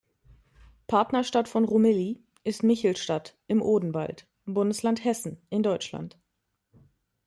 Partnerstadt von Rumilly ist Michelstadt im Odenwald, Bundesland Hessen in Deutschland.